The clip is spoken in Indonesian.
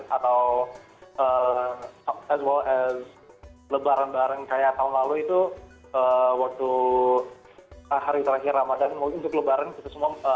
atau lebaran bareng kayak tahun lalu itu waktu hari terakhir ramadan mungkin untuk lebaran kita semua